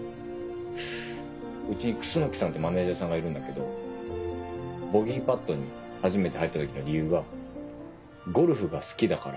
うちに楠木さんってマネジャーさんがいるんだけどボギーパットに初めて入った時の理由が「ゴルフが好きだから」